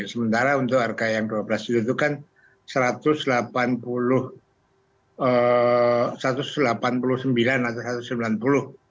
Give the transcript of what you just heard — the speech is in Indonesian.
sementara untuk harga yang dua belas itu kan satu ratus delapan puluh sembilan atau satu ratus sembilan puluh